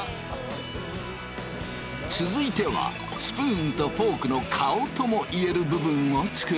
続いてはスプーンとフォークの顔とも言える部分を作る。